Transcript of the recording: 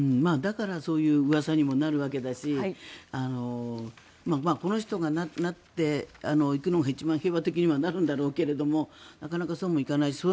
だからそういううわさにもなるわけだしこの人がなっていくのが一番平和的になるんだろうけどなかなかそうもいかない。